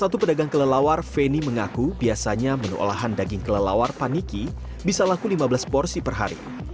satu pedagang kelelawar feni mengaku biasanya menu olahan daging kelelawar paniki bisa laku lima belas porsi per hari